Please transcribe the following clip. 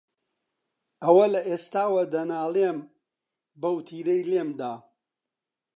ئەوە لە ئێستاوە دەنالێم، بەو تیرەی لێم دا